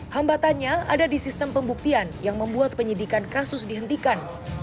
hambatannya ada di sistem pembuktian yang membuat penyidikan kasus dihentikan